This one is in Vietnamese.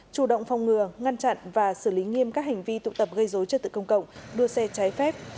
chủ động phòng ngừa ngăn chặn và xử lý nghiêm các hành vi tụ tập gây dối trật tự công cộng đua xe trái phép